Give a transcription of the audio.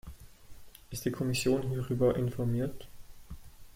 Ist die Kommission hierüber informiert?